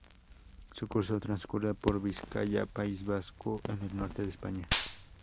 Su curso transcurre por Vizcaya, País Vasco, en el norte de España.